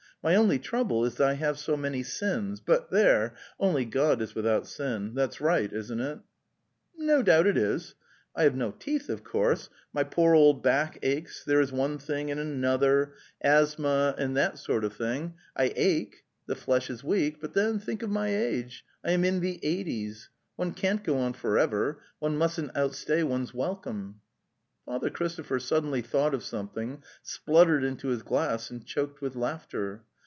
My only trouble is I have so many sins, but there — only God is without sin. That's right, isn't it?" '" No doubt it is." '"'T have no teeth, of course; my poor old back aches; there is one thing and another, ... asthma 196 The Tales of Chekhov and that sort\of thing, ache). ihe tesh is weak, but then think of my age! I am in the eighties! One can't go on for ever; one mustn't outstay one's welcome." Father Christopher suddenly thought of some thing, spluttered into his glass and choked with laughter.